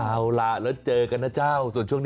เอาล่ะแล้วเจอกันนะเจ้า